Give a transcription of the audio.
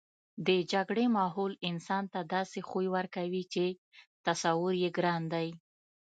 د جګړې ماحول انسان ته داسې خوی ورکوي چې تصور یې ګران دی